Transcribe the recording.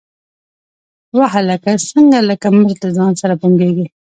_وه هلکه، څنګه لکه مچ له ځان سره بنګېږې؟